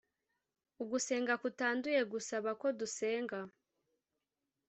ugusenga kutanduye gusaba ko dusenga